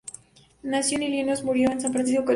Nació en Illinois y murió en San Francisco, California.